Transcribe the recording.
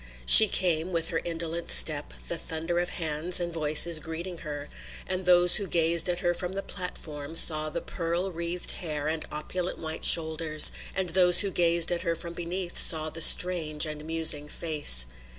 She came, with her indolent step, the thunder of hands and voices greeting her; and those who gazed at her from the platform saw the pearl wreathed hair and opulent white shoulders, and those who gazed at her from beneath saw the strange and musing face.